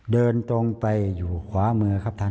เดินตรงไปอยู่ขวามือครับท่าน